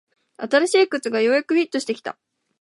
新しい靴がようやくフィットしてきた